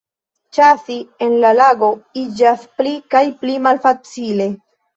Ĉasi en la lago iĝas pli kaj pli malfacile.